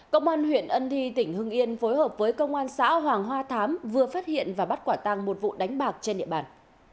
công an huyện ân thi tỉnh hưng yên phối hợp với công an xã hoàng hoa thám vừa phát hiện và bắt quả tăng một vụ đánh bạc trên địa bàn